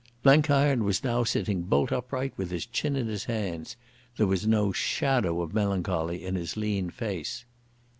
Blenkiron was now sitting bolt upright with his chin in his hands. There was no shadow of melancholy in his lean face.